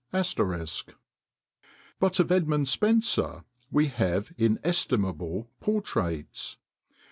*] "But of Edmund Spenser we have inestimable portraits.